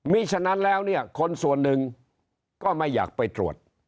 มีฉะนั้นแล้วเนี่ยคนส่วนหนึ่งก็ไม่อยากไปตรวจ